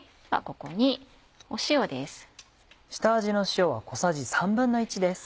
ここに塩です。